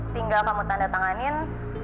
tinggal kamu tandatanganin